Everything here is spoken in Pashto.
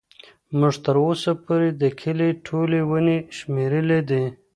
موږ تر اوسه پورې د کلي ټولې ونې شمېرلي دي.